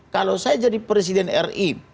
kalau saya jadi presiden ri